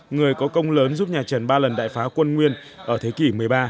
người có công lớn giúp nhà trần ba lần đại phá quân nguyên ở thế kỷ một mươi ba